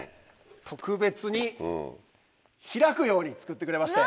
特別に開くように造ってくれまして。